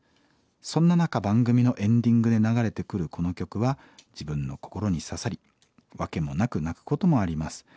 そんな中番組のエンディングで流れてくるこの曲は自分の心に刺さり訳もなく泣くこともあります。